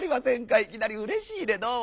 いきなりうれしいねどうも。